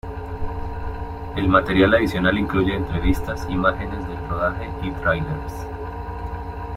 El material adicional incluye entrevistas, imágenes del rodaje y tráilers.